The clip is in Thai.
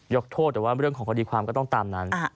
โทษแต่ว่าเรื่องของคดีความก็ต้องตามนั้น